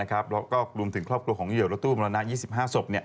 แล้วก็รวมถึงครอบครัวของเหยื่อรถตู้มรณะ๒๕ศพ